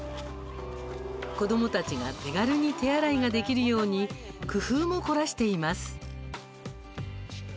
子どもたちが手軽に手洗いができるように工夫も凝らしています。